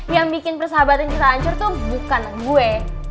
yang bikin persahabatan kita hancur tuh bukan gue